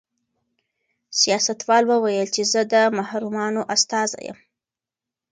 سیاستوال وویل چې زه د محرومانو استازی یم.